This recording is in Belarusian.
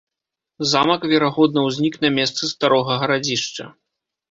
Замак верагодна ўзнік на месцы старога гарадзішча.